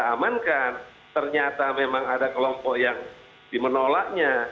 kita amankan ternyata memang ada kelompok yang dimenolaknya